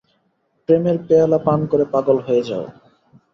প্রেমের পেয়ালা পান করে পাগল হয়ে যাও।